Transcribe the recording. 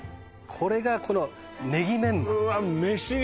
これがこのねぎメンマ